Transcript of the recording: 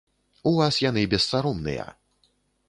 У вас яны бессаромныя.